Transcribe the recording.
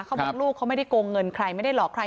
เขาบอกลูกเขาไม่ได้โกงเงินใครไม่ได้หลอกใคร